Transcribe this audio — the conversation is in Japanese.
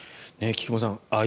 菊間さん